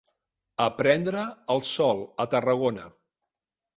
A prendre el sol, a Tarragona.